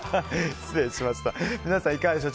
失礼しました。